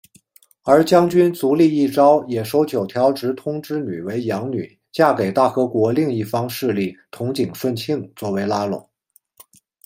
而将军足利义昭也收九条植通之女为养女嫁给大和国另一方势力筒井顺庆作为拉拢。